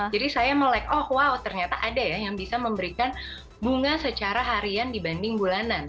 jadi saya melek oh wow ternyata ada ya yang bisa memberikan bunga secara harian dibanding bulanan